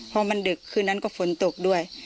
พอมันดึกคืนนั้นก็ฝนตกด้วย